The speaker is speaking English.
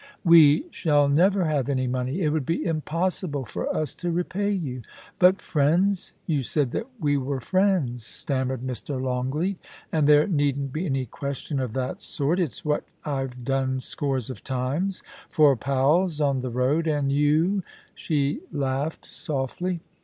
* We shall never have any money ; it would be impossible for us to repay you.' * But friends — you said that we were friends,' stammered Mr. Longleat —* and 'there needn't be any question of that sort It's what I've done scores of times for pals on the road — and you ' She laughed softly.